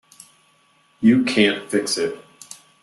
You can't fix it.